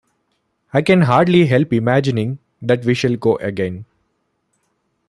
I can hardly help imagining that we shall go again.